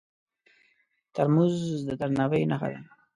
ترموز د درناوي نښه ده.